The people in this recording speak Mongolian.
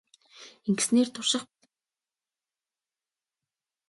Ингэснээр турших болон алдаа илрүүлэхэд хялбар байдаг.